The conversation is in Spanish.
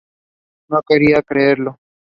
No quería creerlo".